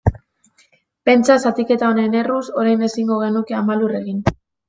Pentsa, zatiketa honen erruz, orain ezingo genuke Ama Lur egin.